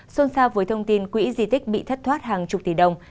xôn xa với thông tin quỹ di tích bị thất thoát hàng chục tỷ đồng